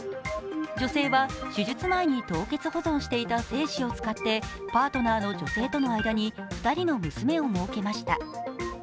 女性は手術前に凍結保存していた精子を使ってパートナーの女性との間に２人の娘をもうけました。